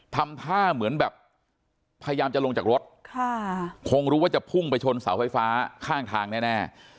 ทำท่าเหมือนแบบพยายามจะลงจากรถคงรู้ว่าจะพุ่งไปชนเสาไฟฟ้าข้างทางแน่